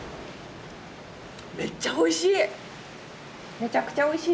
めっちゃおいしい！